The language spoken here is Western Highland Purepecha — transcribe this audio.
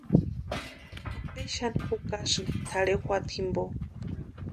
¿Ampe xani jukasïni tʼarhe juata jimpo?